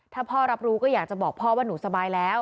ถ้าพ่อรับรู้ก็อยากจะบอกพ่อว่าหนูสบายแล้ว